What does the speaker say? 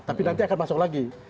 tapi nanti akan masuk lagi